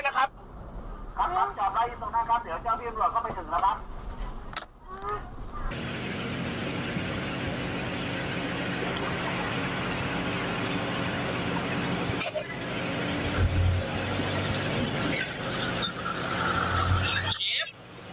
ครับครับจอใครตรงนั้นครับเดี๋ยวเจ้าพี่มรวมเข้าไปถึงแล้วครับ